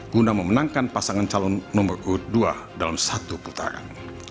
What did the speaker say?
guna memenangkan pasangan calon nomor urut dua dalam satu putaran